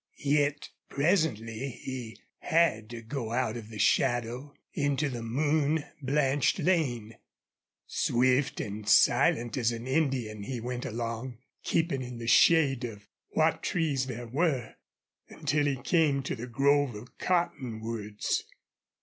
Yet presently he had to go out of the shadow into the moon blanched lane. Swift and silent as an Indian he went along, keeping in the shade of what trees there were, until he came to the grove of cottonwoods.